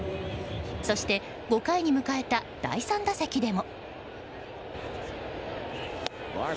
そして、５回に迎えた第３打席でも。